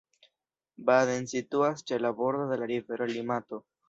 Baden situas ĉe la bordo de la rivero Limato.